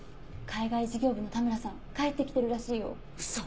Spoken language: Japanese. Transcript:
海外事業部の田村さん帰って来てるらしいよ・・ウソ！